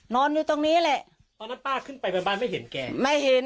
นอนอยู่ตรงนี้แหละตอนนั้นป้าขึ้นไปไปบ้านไม่เห็นแกไม่เห็น